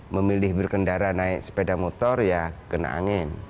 memilih berkendara naik sepeda motor ya kena angin